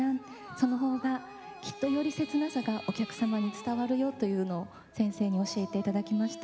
その方がきっとより切なさがお客様に伝わるよというのを先生に教えて頂きました。